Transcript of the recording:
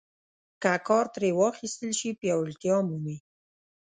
که کار ترې واخیستل شي پیاوړتیا مومي.